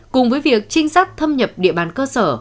cùng với việc trinh sát thâm nhập địa bàn cơ sở